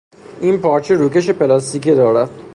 این پارچه روکش پلاستیکی دارد.